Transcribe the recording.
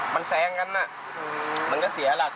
มันแซงกันมันก็เสียหลัก